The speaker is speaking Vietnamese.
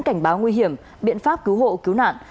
cảnh báo nguy hiểm biện pháp cứu hộ cứu nạn